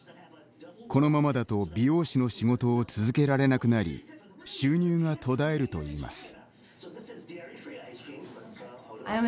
このままだと美容師の仕事を続けられなくなり収入が途絶えるといいます。